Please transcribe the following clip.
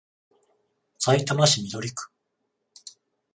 さいたま市緑区